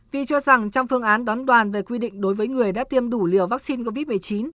vì cho rằng trong phương án đón đoàn về quy định đối với người đã tiêm đủ liều vaccine covid một mươi chín